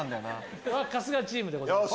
春日チームでございます。